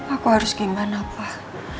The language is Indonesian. aku harus gimana pak